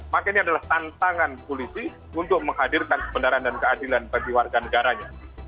maka ini adalah tantangan polisi untuk menghadirkan kebenaran dan keadilan bagi warga negaranya